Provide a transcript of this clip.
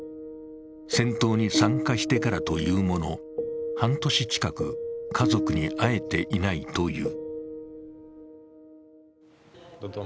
戦闘に参加してからというもの、半年近く、家族に会えていないという。